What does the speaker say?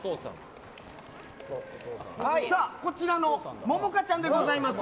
こちらのももかちゃんでございます。